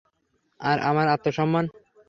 আর আমার আত্মসম্মান?